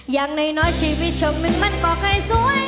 อย่างน้อยชีวิตชมหนึ่งมันก็เคยสวย